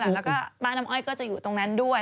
แล้วก็บ้านน้ำอ้อยก็จะอยู่ตรงนั้นด้วย